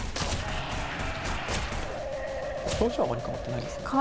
表情はあまり変わってないですね。